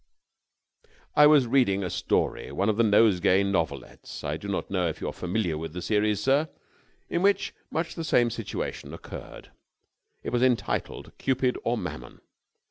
"I was reading a story one of the Nosegay Novelettes; I do not know if you are familiar with the series, sir? in which much the same situation occurred. It was entitled 'Cupid or Mammon!'